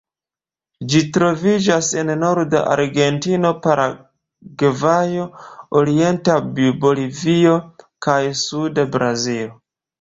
Ĝi troviĝas en norda Argentino, Paragvajo, orienta Bolivio, kaj suda Brazilo.